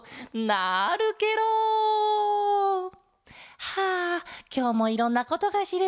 なるケロ！はあきょうもいろんなことがしれた。